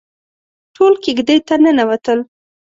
ټول کېږدۍ ته ننوتل.